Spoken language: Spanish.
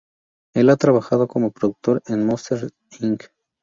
Él ha trabajado como productor en Monsters, Inc.